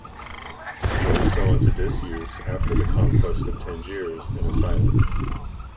The order fell into disuse after the conquest of Tangiers and Asilah.